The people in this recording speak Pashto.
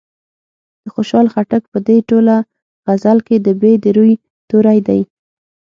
د خوشال خټک په دې ټوله غزل کې ب د روي توری دی.